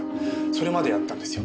それまでやったんですよ。